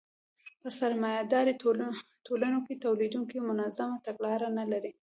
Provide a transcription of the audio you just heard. په سرمایه داري ټولنو کې تولیدونکي منظمه تګلاره نلري